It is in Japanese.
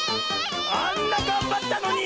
あんながんばったのに！